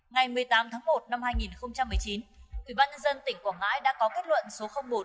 ngày một mươi tám tháng một năm hai nghìn một mươi chín ủy ban nhân dân tỉnh quảng ngãi đã có kết luận số một